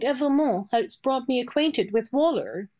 Evremond has brought me acquainted with Waller.